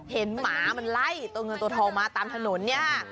เห็นหมามันไหล่เงินตัวทองมาตามถนนเนี่ย